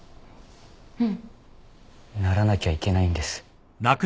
うん。ならなきゃいけないんです。